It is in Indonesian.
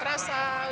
terasa bu asapnya